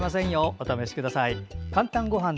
お試しください。